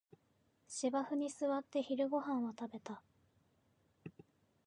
芝生に座って昼ごはんを食べた